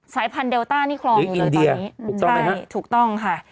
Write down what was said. สายพันธุเดลต้านี่คลองอยู่เลยตอนนี้ใช่ถูกต้องค่ะ